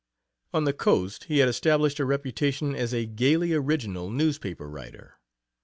On the Coast he had established a reputation as a gaily original newspaper writer.